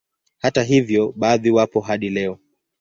Hata hivyo baadhi wapo hadi leo